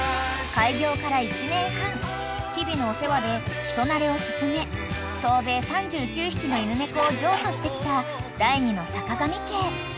［開業から１年半日々のお世話で人馴れを進め総勢３９匹の犬猫を譲渡してきた第２のさかがみ家］